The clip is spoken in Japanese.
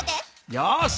よし！